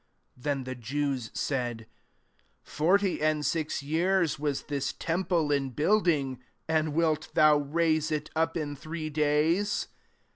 '' 20 Then the Jews said, " Forty and six years was this temple in build ing; and wilt thou raise it up in three days?"